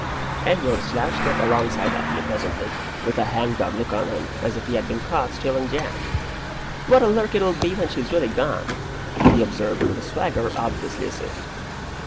Edward slouched up alongside of me presently, with a hang dog look on him, as if he had been caught stealing jam. "What a lark it'll be when she's really gone!" he observed, with a swagger obviously assumed.